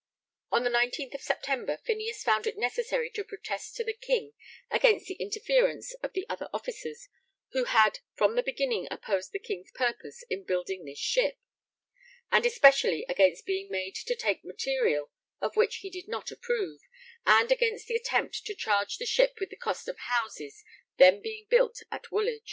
On the 19th September Phineas found it necessary to protest to the King against the interference of the other officers, who had 'from the beginning opposed the King's purpose in building this ship,' and especially against being made to take material of which he did not approve, and against the attempt to charge the ship with the cost of houses then being built at Woolwich.